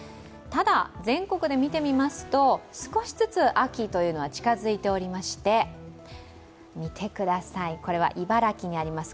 ただ、全国で見てみますと少しずつ秋というのは近づいていまして、見てください、これは茨城にあります